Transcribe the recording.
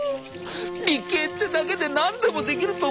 理系ってだけで何でもできると思いやがって。